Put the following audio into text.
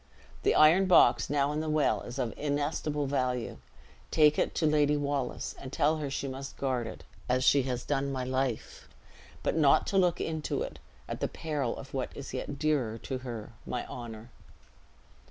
The iron box now in the well is of inestimable value; take it to Lady Wallace and tell her she must guard it, as she has done my life; but not to look into it, at the peril of what is yet dearer to her my honor."